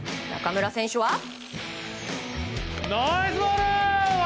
中村選手は。